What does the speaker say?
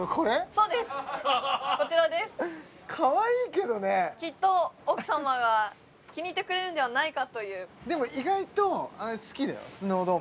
そうですこちらですかわいいけどねきっと奥様が気に入ってくれるんではないかというでもホントですか？